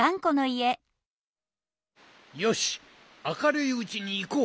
よしあかるいうちにいこう！